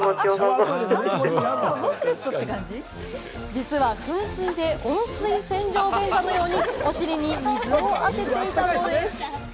実は噴水で温水洗浄便座のようにお尻に水をあてていたのです。